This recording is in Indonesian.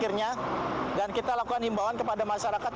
kami mengambil alihkan kemampuan dan melakukan imbauan kepada masyarakat